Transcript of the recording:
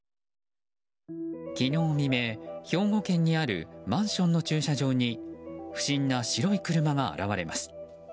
昨日未明、兵庫県にあるマンションの駐車場に不審な白い車が現れます。